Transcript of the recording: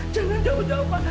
jangan jauh jauh pak